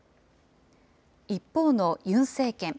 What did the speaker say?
一方のユン政権。